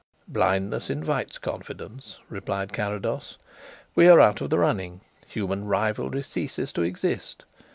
"Blindness invites confidence," replied Carrados. "We are out of the running human rivalry ceases to exist.